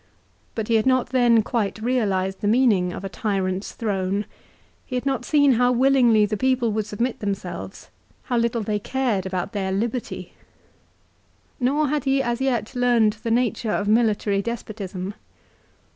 But he had not then quite realised the meaning of a tyrant's throne. He had not seen how willingly the people would submit themselves, how little they cared about their liberty, nor had he as yet learned the nature of military despotism.